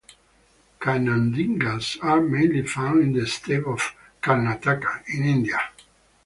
Kannadigas are mainly found in the state of Karnataka in India.